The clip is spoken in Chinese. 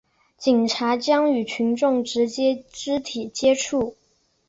警察将与群众直接肢体接触